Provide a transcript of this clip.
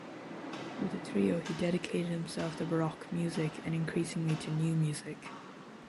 With the trio he dedicated himself to baroque music and increasingly to new music.